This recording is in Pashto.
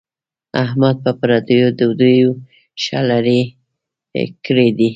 احمد په پردیو ډوډیو ښه لری کړی دی.